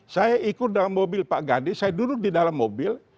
saya ikut dalam mobil pak gade saya duduk di dalam mobil